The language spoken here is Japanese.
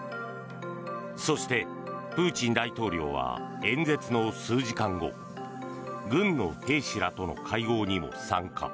そしてプーチン大統領は演説の数時間後軍の兵士らとの会合にも参加。